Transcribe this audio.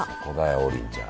王林ちゃん。